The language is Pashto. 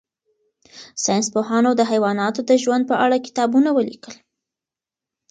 ساینس پوهانو د حیواناتو د ژوند په اړه کتابونه ولیکل.